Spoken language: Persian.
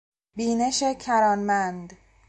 بینش کرانمند